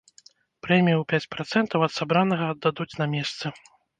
Прэмію ў пяць працэнтаў ад сабранага аддадуць на месцы.